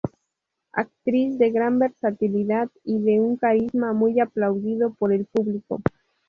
Actriz de gran versatilidad y de un carisma muy aplaudido por el público.